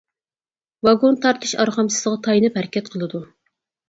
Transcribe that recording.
ۋاگون تارتىش ئارغامچىسىغا تايىنىپ ھەرىكەت قىلىدۇ.